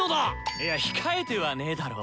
いや控えてはねーだろ。